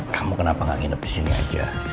kamu kenapa gak nginep disini aja